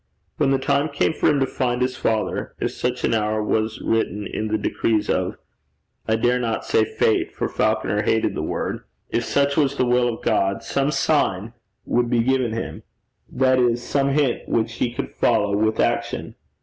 When the time came for him to find his father, if such an hour was written in the decrees of I dare not say Fate, for Falconer hated the word if such was the will of God, some sign would be given him that is, some hint which he could follow with action.